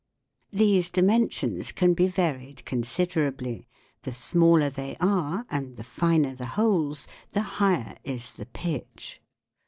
These dimensions can be varied considerably ; the smaller they are, and the finer the holes, the higher is the pitch.